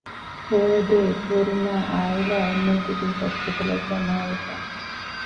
ހެޔޮއެދޭ އެކުވެރިންނާއި އާއިލާ އެންމެންތިބީ ހޮސްޕިޓަލަށް ޖަމާވެފަ